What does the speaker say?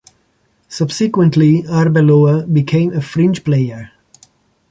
Subsequently, Arbeloa became a fringe player.